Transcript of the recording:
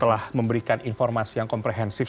telah memberikan informasi yang komprehensif